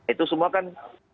itu semua kan